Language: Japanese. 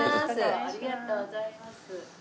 ありがとうございます。